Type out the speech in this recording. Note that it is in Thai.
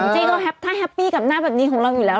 จี้ก็ถ้าแฮปปี้กับหน้าแบบนี้ของเราอยู่แล้ว